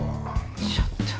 ちょっと。